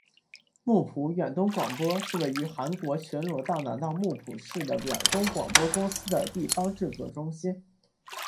木浦远东广播是位于韩国全罗南道木浦市的远东广播公司的地方制作中心。